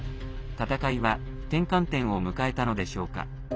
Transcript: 戦いは転換点を迎えたのでしょうか。